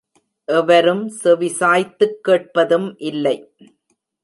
எவரும் செவிசாய்த்துக் கேட்பதும் இல்லை.